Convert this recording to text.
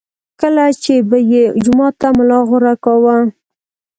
کله چې به یې جومات ته ملا غوره کاوه.